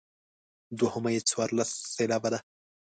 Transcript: دوهمه یې څوارلس سېلابه ده.